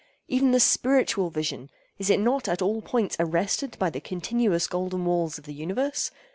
Even the spiritual vision, is it not at all points arrested by the continuous golden walls of the universe?